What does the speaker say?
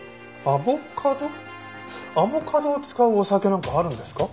アボカドを使うお酒なんかあるんですか？